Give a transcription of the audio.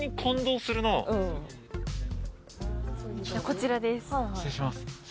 こちらです。